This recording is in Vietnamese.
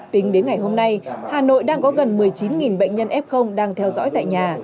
tính đến ngày hôm nay hà nội đang có gần một mươi chín bệnh nhân f đang theo dõi tại nhà